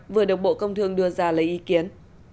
vừa được bộ công thương đưa ra lấy ý kiến